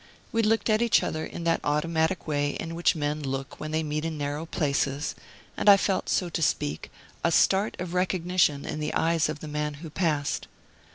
We looked at each other in that automatic way in which men look when they meet in narrow places, and I felt, so to speak, a start of recognition in the eyes of the man who passed.